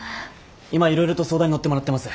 今いろいろと相談に乗ってもらってます。